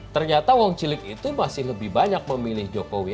ternyata wong cilik itu masih lebih banyak memilih jokowi